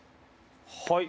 はい。